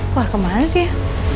keluar kemana dia